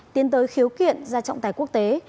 tiến tới khiếu kiện ra trọng tài quốc tế